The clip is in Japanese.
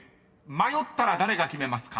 ［迷ったら誰が決めますか？］